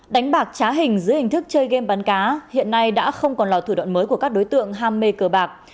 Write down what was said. đánh bạc trá hình dưới hình thức chơi game bắn cá hiện nay đã không còn là thủ đoạn mới của các đối tượng ham mê cờ bạc